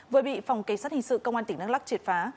với bị phòng kế sát hình sự công an tỉnh đăng lắc triệt phá